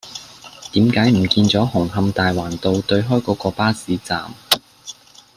點解唔見左紅磡大環道對開嗰個巴士站